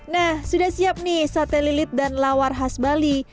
nah sudah siap nih sate lilit dan lawar khas bali